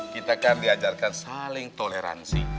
kita kan diajarkan saling toleransi